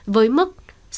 với mức sáu tám